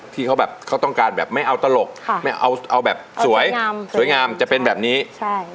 ที่เขาแบบเขาต้องการแบบไม่เอาตลกค่ะไม่เอาเอาแบบสวยงามสวยงามจะเป็นแบบนี้ใช่